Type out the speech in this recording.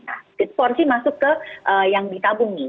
nah porsi masuk ke yang ditabung nih